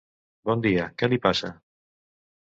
Bon dia, què li passa?